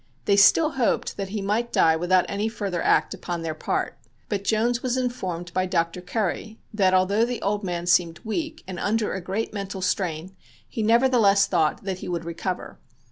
They still hoped that he might die without any further act upon their part, but Jones was informed by Dr. Curry that, although the old man seemed weak and under a great mental strain, he nevertheless thought that he would recover.